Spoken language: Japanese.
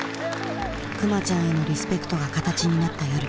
クマちゃんへのリスペクトが形になった夜。